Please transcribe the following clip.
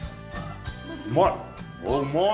うまい！